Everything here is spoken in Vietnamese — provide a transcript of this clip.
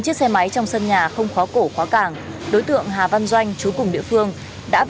thì em thấy không có ai em biển này bị trộm cắp